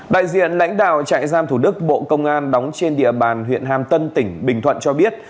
đại diện lãnh đạo trại giam thủ đức bộ công an đóng trên địa bàn huyện hàm tân tỉnh bình thuận cho biết